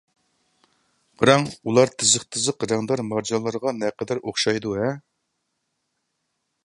قاراڭ، ئۇلار تىزىق-تىزىق رەڭدار مارجانلارغا نەقەدەر ئوخشايدۇ-ھە!